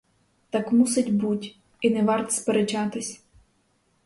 Так мусить буть, і не варт сперечатись!